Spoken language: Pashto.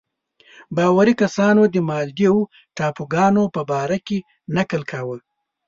باوري کسانو د مالدیو ټاپوګانو په باره کې نکل کاوه.